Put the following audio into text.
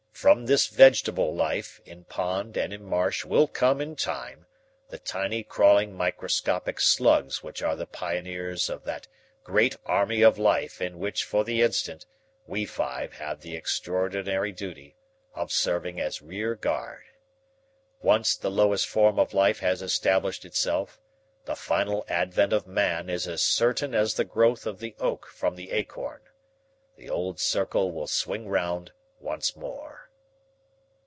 From this vegetable life in pond and in marsh will come, in time, the tiny crawling microscopic slugs which are the pioneers of that great army of life in which for the instant we five have the extraordinary duty of serving as rear guard. Once the lowest form of life has established itself, the final advent of man is as certain as the growth of the oak from the acorn. The old circle will swing round once more."